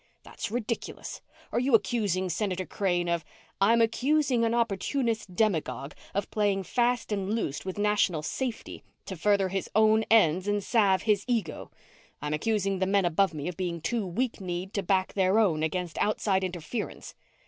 "That's ridiculous! Are you accusing Senator Crane of ?" "I'm accusing an opportunist demagogue of playing fast and loose with national safety to further his own ends and salve his ego. I'm accusing the men above me of being too weak kneed to back their own against outside interference."